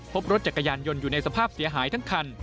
พบรถจักรยานยนต์อยู่ในสภาพเสียหายทั้งคัน